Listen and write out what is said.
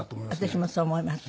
私もそう思います。